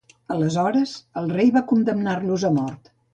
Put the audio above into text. Aleshores, el rei va condemnar-los a mort.